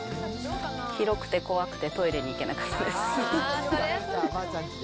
広くて怖くて、トイレに行けなかったです。